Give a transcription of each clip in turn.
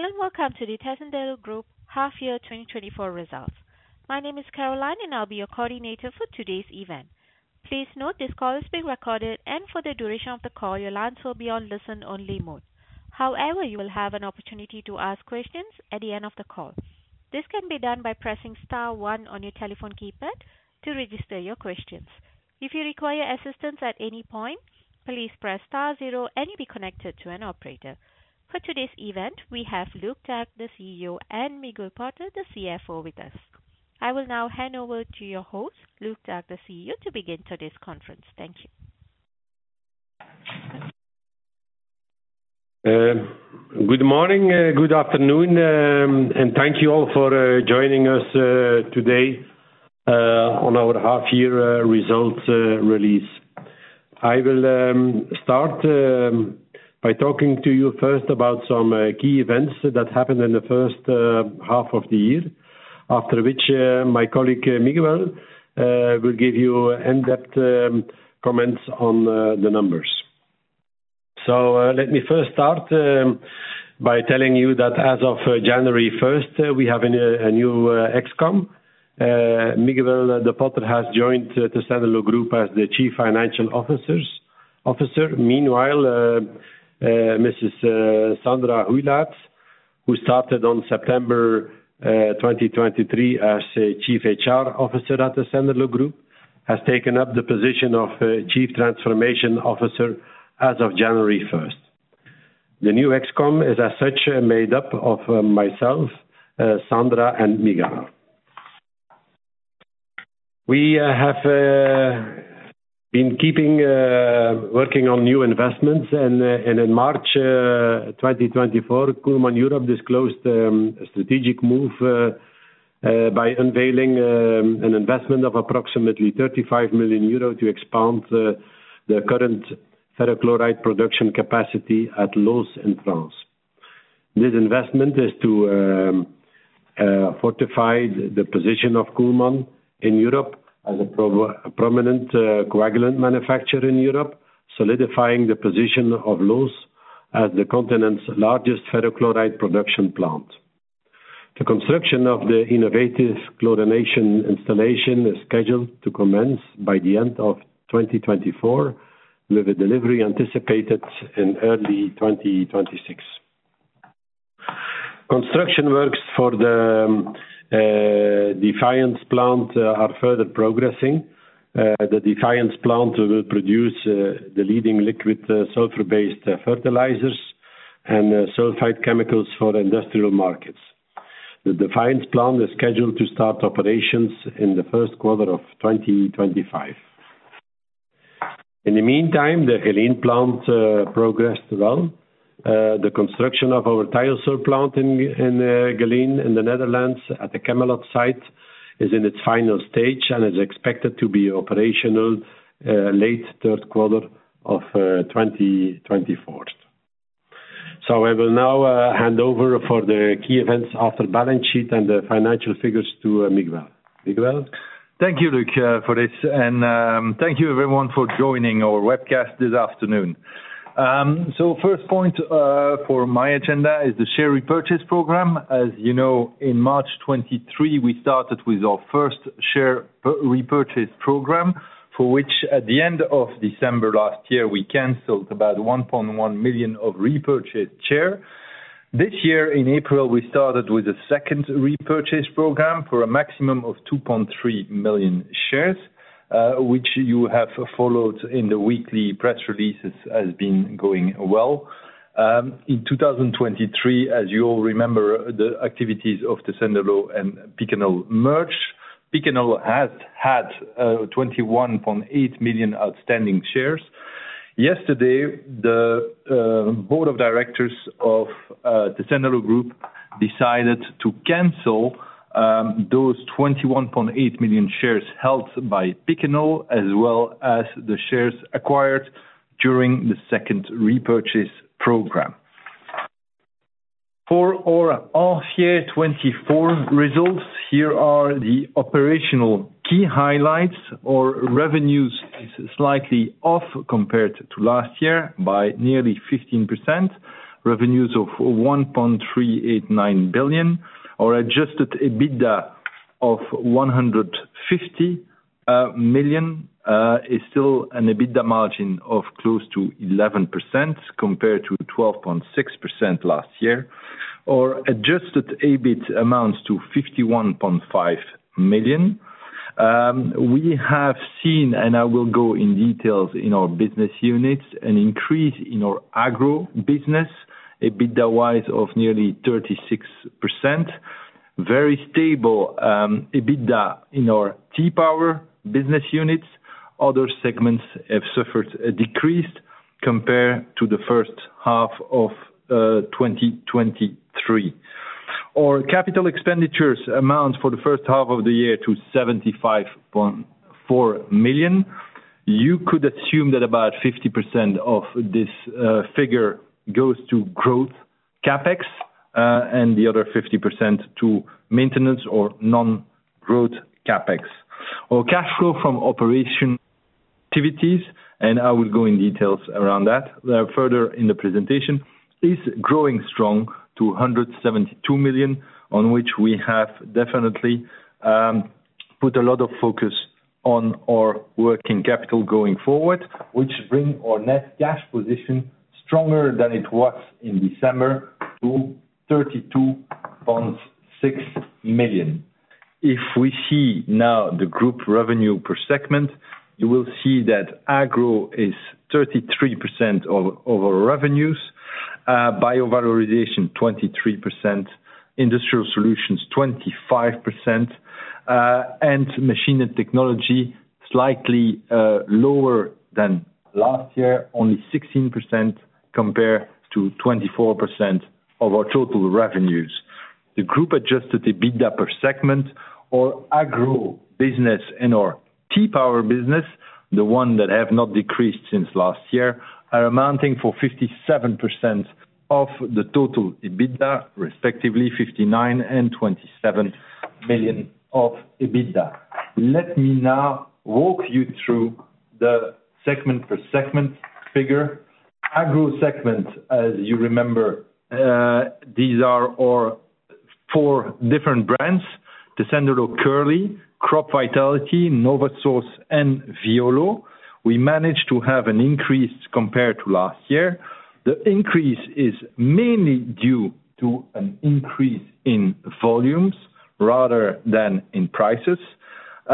Hello, and welcome to the Tessenderlo Group Half-Year 2024 Results. My name is Caroline, and I'll be your coordinator for today's event. Please note this call is being recorded, and for the duration of the call, your lines will be on listen-only mode. However, you will have an opportunity to ask questions at the end of the call. This can be done by pressing star one on your telephone keypad to register your questions. If you require assistance at any point, please press star zero and you'll be connected to an operator. For today's event, we have Luc Tack, the CEO, and Miguel de Potter, the CFO, with us. I will now hand over to your host, Luc Tack, the CEO, to begin today's conference. Thank you. Good morning, good afternoon, and thank you all for joining us today on our half year results release. I will start by talking to you first about some key events that happened in the first half of the year, after which my colleague, Miguel de Potter, will give you in-depth comments on the numbers. So, let me first start by telling you that as of January first, we have a new ExCo. Miguel de Potter has joined Tessenderlo Group as the Chief Financial Officer. Meanwhile, Mrs. Sandra Hoeylaerts, who started on September 2023 as a Chief HR Officer at Tessenderlo Group, has taken up the position of Chief Transformation Officer as of January first. The new ExCo is as such, made up of myself, Sandra Hoeylaerts and Miguel de Potter. We have been keeping working on new investments and in March 2024, Kuhlmann Europe disclosed a strategic move by unveiling an investment of approximately 35 million euro to expand the current ferric chloride production capacity at Loos in France. This investment is to fortify the position of Kuhlmann in Europe as a prominent coagulant manufacturer in Europe, solidifying the position of Loos as the continent's largest ferric chloride production plant. The construction of the innovative chlorination installation is scheduled to commence by the end of 2024, with the delivery anticipated in early 2026. Construction works for the Defiance plant are further progressing. The Defiance plant will produce the leading liquid sulfur-based fertilizers and sulfite chemicals for industrial markets. The Defiance plant is scheduled to start operations in the Q1 of 2025. In the meantime, the Geleen plant progressed well. The construction of our Thiosul plant in Geleen in the Netherlands at the Chemelot site is in its final stage and is expected to be operational late third quarter of 2024. So I will now hand over for the key events of the balance sheet and the financial figures to Miguel de Potter. Miguel de Potter? Thank you, Luc Tack, for this, and thank you everyone for joining our webcast this afternoon. First point for my agenda is the share repurchase program. As you know, in March 2023, we started with our first share repurchase program, for which at the end of December last year, we canceled about 1.1 million of repurchased share. This year, in April, we started with a second repurchase program for a maximum of 2.3 million shares, which you have followed in the weekly press releases, has been going well. In 2023, as you all remember, the activities of Tessenderlo and Picanol Group merged. Picanol Group has had 21.8 million outstanding shares. Yesterday, the board of directors of Tessenderlo Group decided to cancel those 21.8 million shares held by Picanol Group, as well as the shares acquired during the second repurchase program. For our half year 2024 results, here are the operational key highlights. Our revenues is slightly off compared to last year by nearly 15%. Revenues of 1.389 billion, our Adjusted EBITDA of 150 million, is still an EBITDA margin of close to 11% compared to 12.6% last year. Our Adjusted EBIT amounts to 51.5 million. We have seen, and I will go in details in our business units, an increase in our agro business, EBITDA wise of nearly 36%. Very stable EBITDA in our T-Power business units. Other segments have suffered a decrease compared to the first-half of 2023. Our capital expenditures amounts for the first half of the year to 75.4 million. You could assume that about 50% of this figure goes to growth CapEx, and the other 50% to maintenance or non-growth CapEx. Our cash flow from operating activities, and I will go in details around that further in the presentation, is growing strong to 172 million, on which we have definitely put a lot of focus on our working capital going forward. Which bring our net cash position stronger than it was in December, to 32.6 million. If we see now the group revenue per segment, you will see that Agro is 33% of our revenues, Bio-valorization 23%, Industrial Solutions 25%, and Machines & Technologies, slightly lower than last year, only 16% compared to 24% of our total revenues. The Group's Adjusted EBITDA per segment, our Agro business and our T-Power business, the ones that have not decreased since last year, are amounting to 57% of the total EBITDA, respectively 59 and 27 million of EBITDA. Let me now walk you through the segment-per-segment figure. Agro segment, as you remember, these are our four different brands, Tessenderlo Kerley, Crop Vitality, NovaSource, and Violleau. We managed to have an increase compared to last year. The increase is mainly due to an increase in volumes rather than in prices. We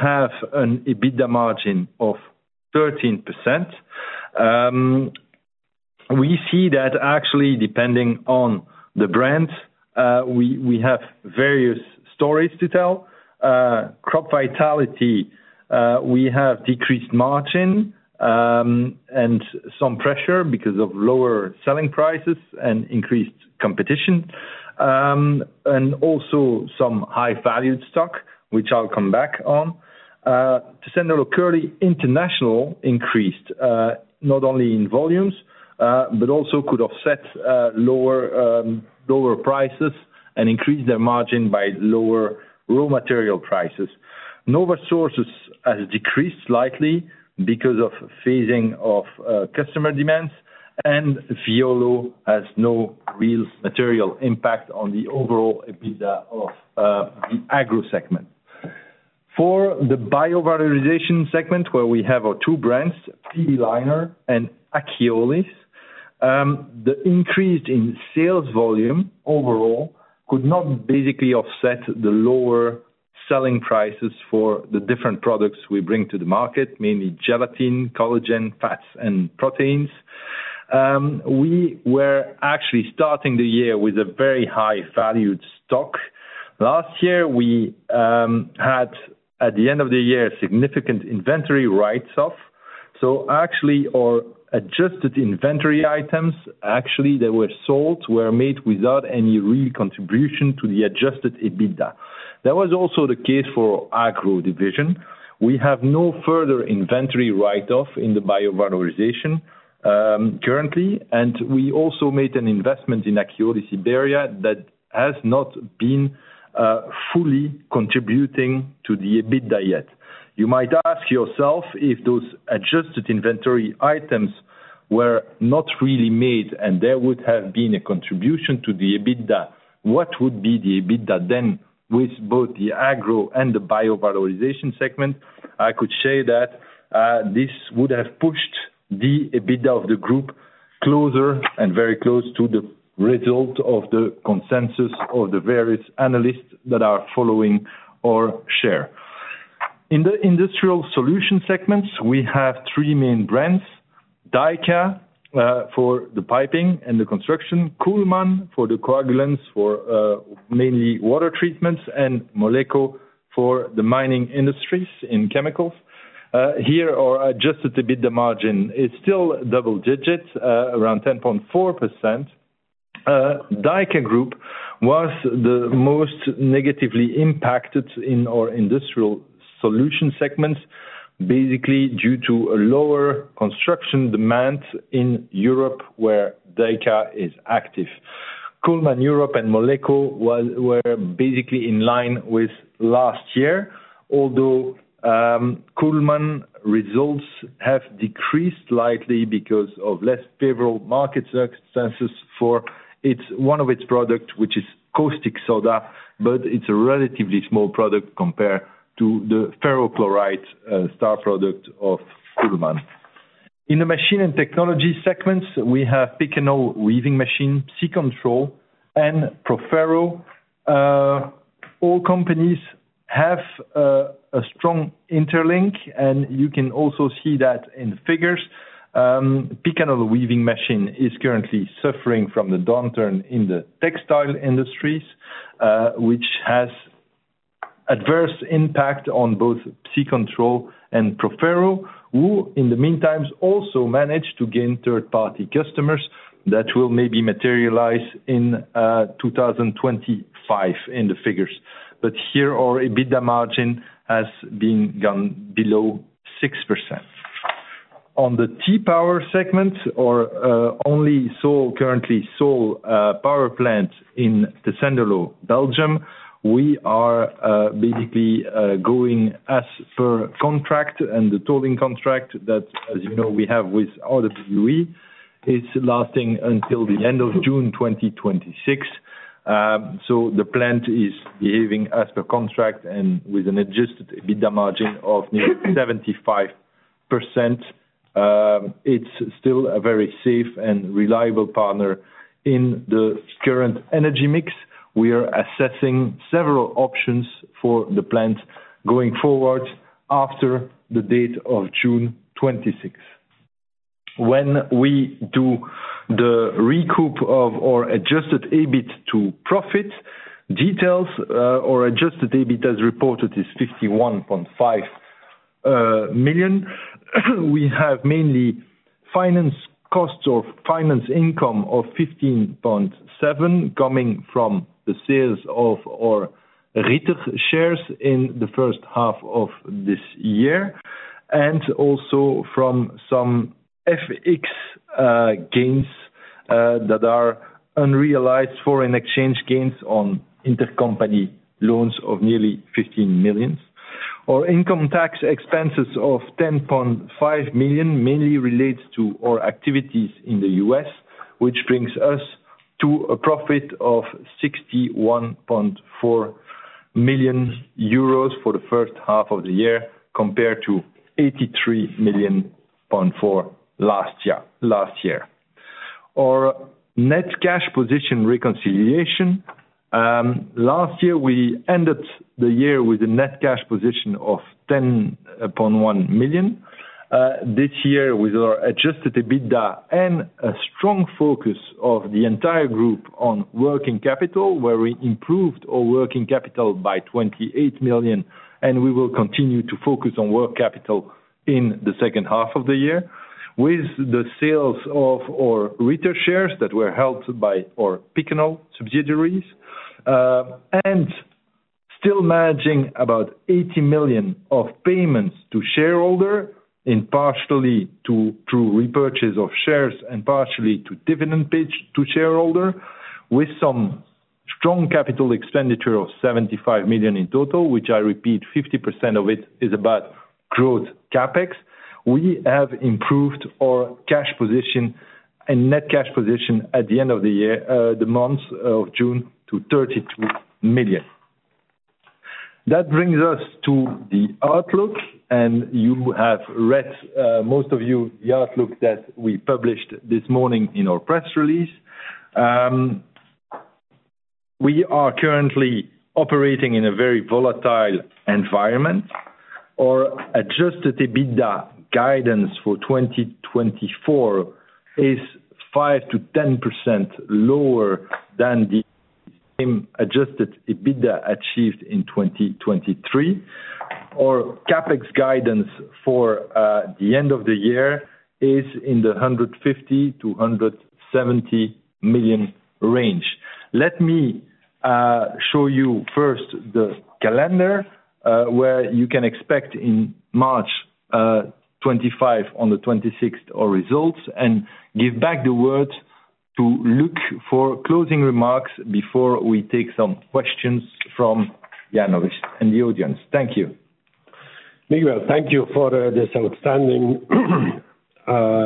have an EBITDA margin of 13%. We see that actually, depending on the brand, we have various stories to tell. Crop Vitality, we have decreased margin, and some pressure because of lower selling prices and increased competition, and also some high-valued stock, which I'll come back on. Tessenderlo Kerley International increased, not only in volumes, but also could offset lower prices and increase their margin by lower raw material prices. NovaSource has decreased slightly because of phasing of customer demands, and Violleau has no real material impact on the overall EBITDA of the Agro segment. For the bio-valorization segment, where we have our two brands, PB Leiner and Akiolis. The increase in sales volume overall could not basically offset the lower selling prices for the different products we bring to the market, mainly gelatin, collagen, fats, and proteins. We were actually starting the year with a very high valued stock. Last year, we had, at the end of the year, significant inventory write-offs. Actually, our adjusted inventory items, actually, that were sold, were made without any recontribution to the Adjusted EBITDA. That was also the case for Agro division. We have no further inventory write-off in the bio-valorization currently, and we also made an investment in Akiolis Iberia that has not been fully contributing to the EBITDA yet. You might ask yourself, if those adjusted inventory items were not really made, and there would have been a contribution to the EBITDA, what would be the EBITDA then, with both the agro and the bio-valorization segment? I could say that, this would have pushed the EBITDA of the group closer and very close to the result of the consensus of the various analysts that are following our share. In the industrial solutions segments, we have three main brands, DYKA, for the piping and the construction, Kuhlmann for the coagulants, for, mainly water treatments, and Moleko for the mining industries in chemicals. Here our Adjusted EBITDA margin is still double digits, around 10.4%. DYKA Group was the most negatively impacted in our industrial solutions segment, basically due to a lower construction demand in Europe, where DYKA is active. Kuhlmann Europe and Moleko were basically in line with last year, although Kuhlmann results have decreased slightly because of less favorable market circumstances for one of its products, which is caustic soda, but it's a relatively small product compared to the ferric chloride star product of Kuhlmann. In the machine and technology segments, we have Picanol weaving machine, PsiControl, and Proferro. All companies have a strong interlink, and you can also see that in figures. Picanol weaving machine is currently suffering from the downturn in the textile industries, which has adverse impact on both PsiControl and Proferro, who in the meantime also managed to gain third-party customers that will maybe materialize in 2025 in the figures. But here, our EBITDA margin has gone below 6%. On the T-Power segment, or only sole, currently sole power plant in Tessenderlo, Belgium, we are basically going as per contract and the tolling contract that, as you know, we have with Electrabel is lasting until the end of June 2026. So the plant is behaving as per contract and with an Adjusted EBITDA margin of near 75%. It's still a very safe and reliable partner in the current energy mix. We are assessing several options for the plant going forward after the date of June 26th. When we do the reconciliation of our Adjusted EBIT to profit details, or Adjusted EBIT, as reported, is 51.5 million. We have mainly finance costs or finance income of 15.7 million, coming from the sales of our Rieter shares in the first-half of this year, and also from some FX gains that are unrealized foreign exchange gains on intercompany loans of nearly 15 million. Our income tax expenses of 10.5 million mainly relates to our activities in the U.S., which brings us to a profit of 61.4 million euros for the first-half of the year, compared to EUR 83.4 million last year. Our net cash position reconciliation, last year, we ended the year with a net cash position of 101 million. This year, with our Adjusted EBITDA and a strong focus of the entire group on working capital, where we improved our working capital by 28 million, and we will continue to focus on working capital in the second half of the year. With the sales of our Rieter shares that were held by our Picanol subsidiaries, and still managing about 80 million of payments to shareholder, and partially to, through repurchase of shares and partially to dividend paid to shareholder, with some strong capital expenditure of 75 million in total, which I repeat, 50% of it is about growth CapEx. We have improved our cash position and net cash position at the end of the year, the month of June, to 32 million. That brings us to the outlook, and you have read, most of you, the outlook that we published this morning in our press release. We are currently operating in a very volatile environment. Our Adjusted EBITDA guidance for 2024 is 5%-10% lower than the same adjusted EBITDA achieved in 2023. Our CapEx guidance for the end of the year is in the 150-170 million range. Let me show you first the calendar, where you can expect in March 2025 on the 26th, our results, and give back the word to Luc Tack for closing remarks before we take some questions from analysts and the audience. Thank you. Miguel de Potter, thank you for this outstanding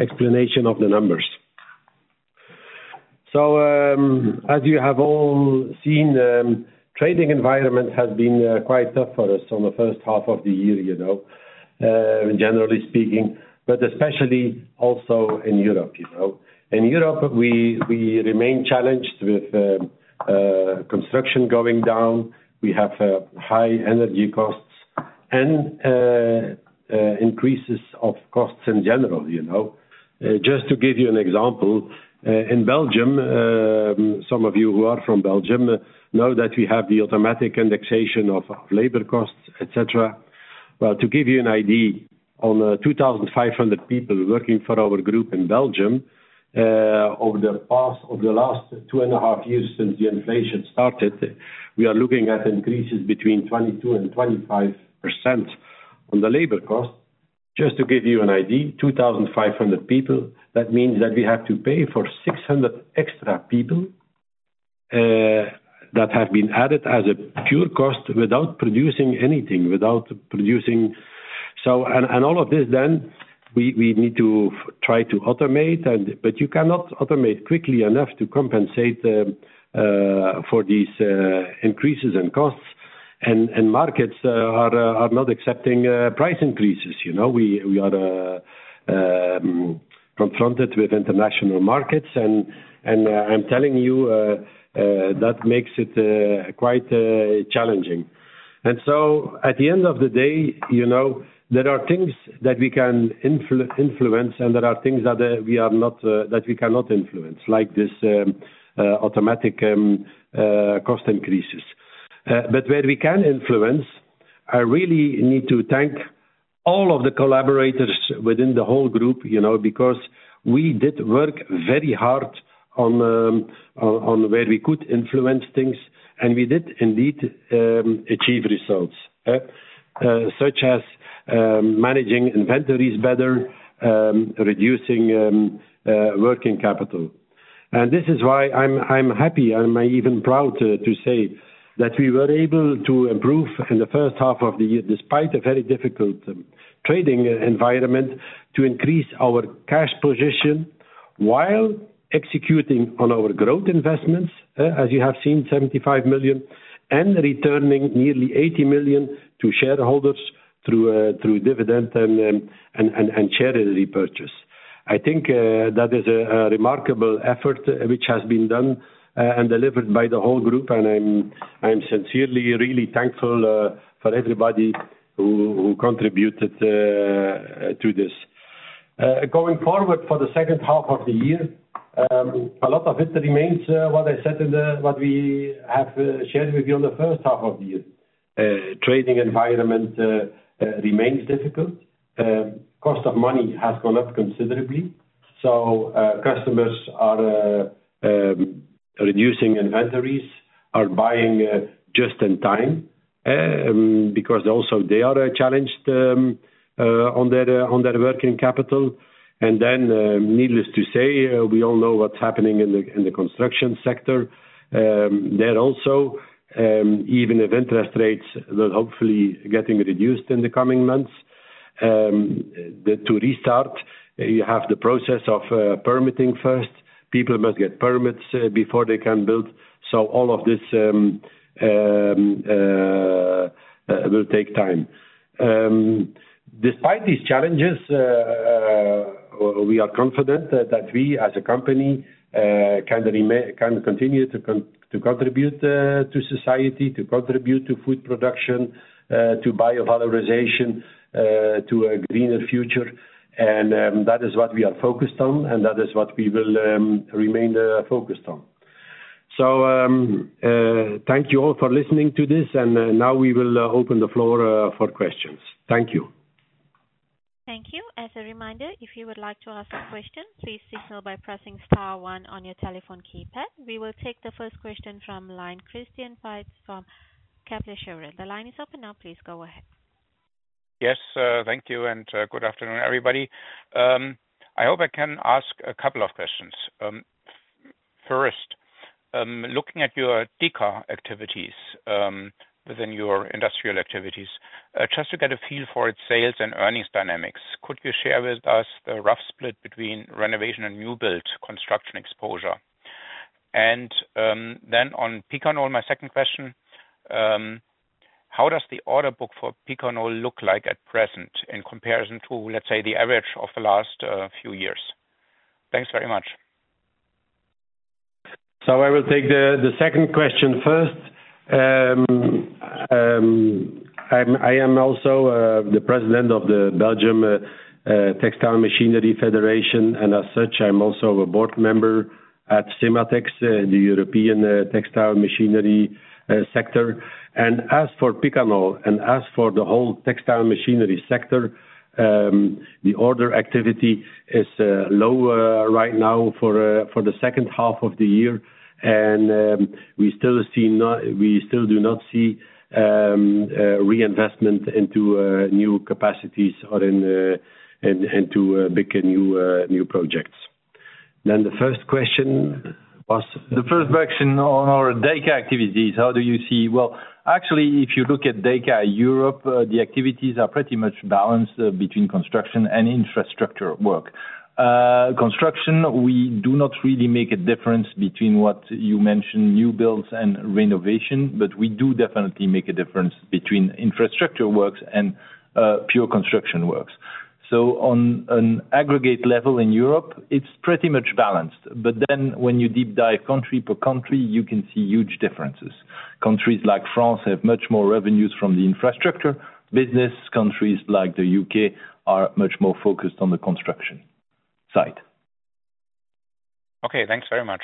explanation of the numbers. So, as you have all seen, trading environment has been quite tough for us on the first half of the year, you know, generally speaking, but especially also in Europe, you know. In Europe, we remain challenged with construction going down. We have high energy costs and increases of costs in general, you know. Just to give you an example, in Belgium, some of you who are from Belgium know that we have the automatic indexation of labor costs, et cetera. To give you an idea, on the 2,500 people working for our group in Belgium, over the last two and 1/2f years since the inflation started, we are looking at increases between 22%-25% on the labor cost. Just to give you an idea, 2,500 people, that means that we have to pay for 600 extra people that have been added as a pure cost without producing anything. So, and all of this then, we need to try to automate, but you cannot automate quickly enough to compensate for these increases in costs, and markets are not accepting price increases. You know, we are confronted with international markets, and I'm telling you, that makes it quite challenging, and so at the end of the day, you know, there are things that we can influence, and there are things that we cannot influence, like this automatic cost increases. But where we can influence, I really need to thank all of the collaborators within the whole group, you know, because we did work very hard on where we could influence things, and we did indeed achieve results such as managing inventories better, reducing working capital. And this is why I'm happy. I'm even proud to say that we were able to improve in the first-half of the year, despite a very difficult trading environment, to increase our cash position while executing on our growth investments. As you have seen, 75 million and returning nearly 80 million to shareholders through dividend and share repurchase. I think that is a remarkable effort which has been done and delivered by the whole group, and I'm sincerely really thankful for everybody who contributed to this. Going forward for the second-half of the year, a lot of it remains what we have shared with you on the first-half of the year. Trading environment remains difficult. Cost of money has gone up considerably, so customers are reducing inventories, are buying just in time, because also they are challenged on their working capital. And then, needless to say, we all know what's happening in the construction sector. There also, even if interest rates will hopefully getting reduced in the coming months, the to restart, you have the process of permitting first. People must get permits before they can build, so all of this will take time. Despite these challenges, we are confident that we, as a company, can continue to contribute to society, to contribute to food production, to bio-valorization, to a greener future. And that is what we are focused on, and that is what we will remain focused on. So thank you all for listening to this, and now we will open the floor for questions. Thank you. Thank you. As a reminder, if you would like to ask a question, please signal by pressing star one on your telephone keypad. We will take the first question from line, Christian Faitz from Kepler Cheuvreux. The line is open now. Please go ahead. Yes, thank you and good afternoon, everybody. I hope I can ask a couple of questions. First, looking at your DYKA activities, within your industrial activities, just to get a feel for its sales and earnings dynamics, could you share with us the rough split between renovation and new build construction exposure? And then on Picanol, my second question, how does the order book for Picanol look like at present in comparison to, let's say, the average of the last few years? Thanks very much. I will take the second question first. I am also the president of the Belgian Textile Machinery Federation, and as such, I am also a board member at CEMATEX, the European textile machinery sector. As for Picanol and as for the whole textile machinery sector, the order activity is lower right now for the second-half of the year. We still do not see reinvestment into new capacities or into bigger new projects. The first question was? The first question on our DYKA activities. How do you see... Well, actually, if you look at DYKA Europe, the activities are pretty much balanced between construction and infrastructure work. Construction, we do not really make a difference between what you mentioned, new builds and renovation, but we do definitely make a difference between infrastructure works and pure construction works. So on an aggregate level, in Europe, it's pretty much balanced. But then when you deep dive country per country, you can see huge differences. Countries like France have much more revenues from the infrastructure. Business countries like the U.K. are much more focused on the construction side. Okay, thanks very much.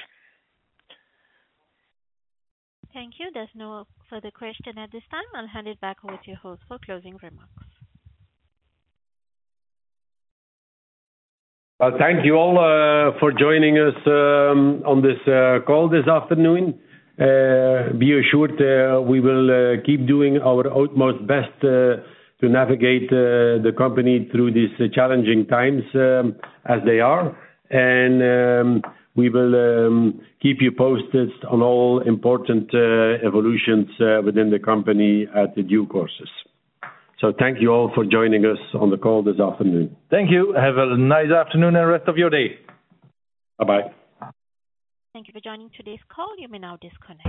Thank you. There's no further question at this time. I'll hand it back over to you, host for closing remarks. Thank you all for joining us on this call this afternoon. Be assured, we will keep doing our utmost best to navigate the company through these challenging times as they are, and we will keep you posted on all important evolutions within the company in due course, so thank you all for joining us on the call this afternoon. Thank you. Have a nice afternoon and rest of your day. Bye-bye. Thank you for joining today's call. You may now disconnect.